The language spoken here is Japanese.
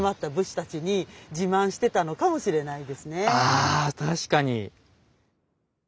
あ確かに。